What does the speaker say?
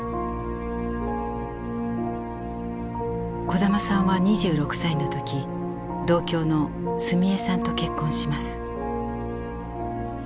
小玉さんは２６歳の時同郷のスミヱさんと結婚します。